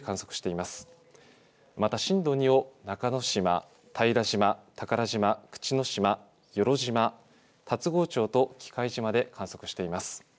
また震度２を中之島、平島、宝島、口之島、与路島、龍郷町と喜界島で観測しています。